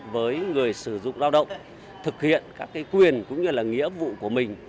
với người sử dụng lao động thực hiện các quyền cũng như là nghĩa vụ của mình